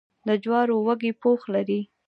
د جوارو وږی پوښ لري.